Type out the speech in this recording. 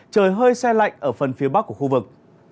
trời hơi xe lạnh ở phần phía bắc của khu vực